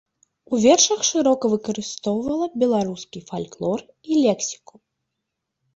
У вершах шырока выкарыстоўвала беларускі фальклор і лексіку.